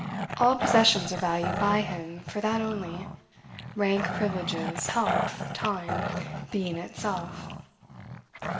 All possessions are valued by him for that only; rank, privileges, health, time, being itself.